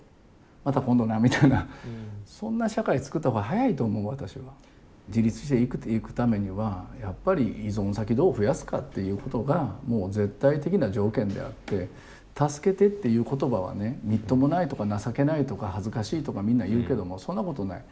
「また今度な」みたいなそんな社会つくった方が早いと思う私は。っていうことがもう絶対的な条件であって「助けて」っていう言葉はねみっともないとか情けないとか恥ずかしいとかみんな言うけどもそんなことない。